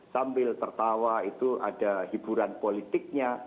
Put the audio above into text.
sambil tertawa itu ada hiburan politiknya